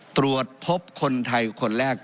ตรวจพบคนไทยคนแรก